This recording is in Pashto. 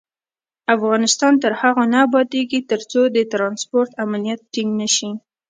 افغانستان تر هغو نه ابادیږي، ترڅو د ترانسپورت امنیت ټینګ نشي.